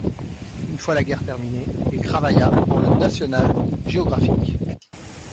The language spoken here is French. Une fois la guerre terminée, il travailla pour le National Geographic.